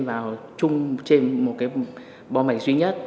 vào chung trên một cái bộ máy duy nhất